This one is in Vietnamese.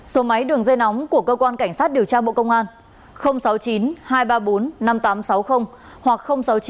số máy đường dây nóng của cơ quan cảnh sát điều tra bộ công an sáu mươi chín hai trăm ba mươi bốn năm nghìn tám trăm sáu mươi hoặc sáu mươi chín hai trăm ba mươi hai một nghìn sáu trăm sáu mươi